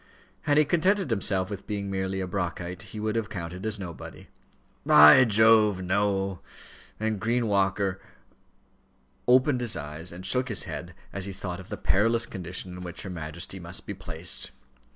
Had he contented himself with being merely a Brockite, he would have counted as nobody. "By Jove! no," and Green Walker opened his eyes and shook his head, as he thought of the perilous condition in which her Majesty must be placed.